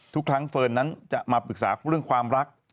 ทุกครั้งเฟิร์นนั้นจะมาปรึกษาเรื่องความรัก